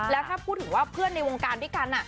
แล้วถ้าพูดถึงว่าเพื่อนในวงการด้วยกัน